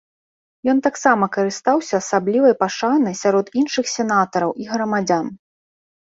Ён таксама карыстаўся асаблівай пашанай сярод іншых сенатараў і грамадзян.